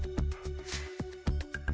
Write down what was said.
sampai jumpa bye bye